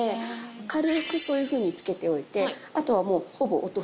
軽くそういうふうに付けておいてあとはもうほぼ落とす。